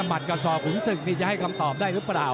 หัดกระสอบขุนศึกนี่จะให้คำตอบได้หรือเปล่า